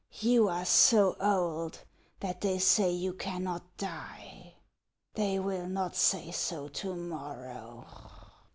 You are so old that they say you cannot die ; they will not say so to morrow."